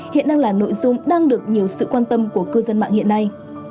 hiện đang là nội dung đang được nhiều sự quan tâm của cư dân mạng hiện nay